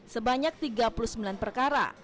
sebanyak tiga puluh sembilan perkara